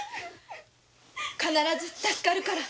必ず助かるから。